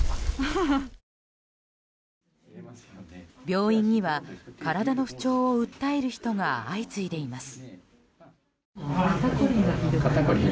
病院には体の不調を訴える人が相次いでいます。